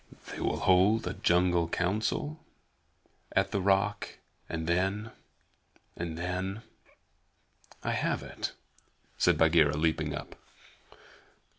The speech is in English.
They will hold a jungle Council at the Rock, and then and then I have it!" said Bagheera, leaping up.